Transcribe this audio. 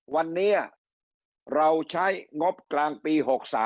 วันนี้เราใช้งบกลางปี๖๓